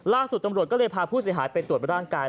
ล่าสุดตำรวจก็เลยพาผู้เสียหายไปตรวจร่างกาย